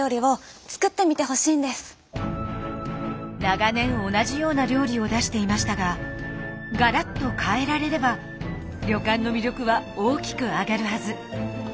長年同じような料理を出していましたがガラッと変えられれば旅館の魅力は大きく上がるはず。